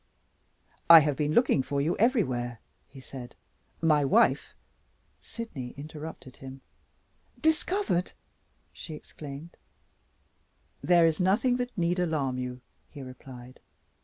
"I have been looking for you everywhere," he said. "My wife " Sydney interrupted him. "Discovered!" she exclaimed. "There is nothing that need alarm you," he replied.